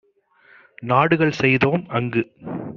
நாடுகள் செய்தோம் - அங்கு